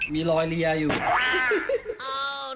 มีรอยเรียอยู่